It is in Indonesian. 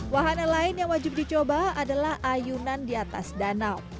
wahana lain yang wajib dicoba adalah ayunan di atas danau